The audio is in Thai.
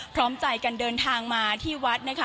พร้อมใจกันเดินทางมาที่วัดนะคะ